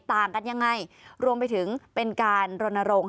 ต่างกันยังไงรวมไปถึงเป็นการรณรงค์